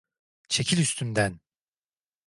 Çekil üstümden!